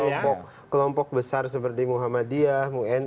saya pikir kalau kelompok besar seperti muhammadiyah muen